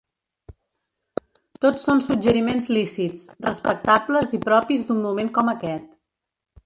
Tots són suggeriments lícits, respectables i propis d’un moment com aquest.